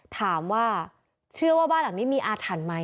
ถามว่าเชื่อว่าบ้านหลังนี้มีอาถรรพ์ไหม